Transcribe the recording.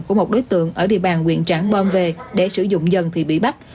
của một đối tượng ở địa bàn nguyện trảng bom về để sử dụng dần thì bị bắt